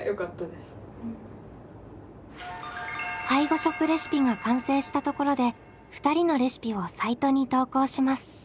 介護食レシピが完成したところで２人のレシピをサイトに投稿します。